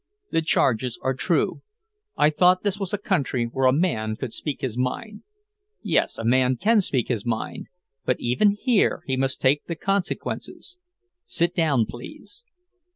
The charges are true. I thought this was a country where a man could speak his mind." "Yes, a man can speak his mind, but even here he must take the consequences. Sit down, please."